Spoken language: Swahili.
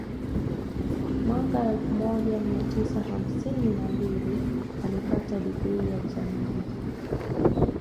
Mwaka elfu moja mia tisa hamsini na mbili alipata digrii ya uzamili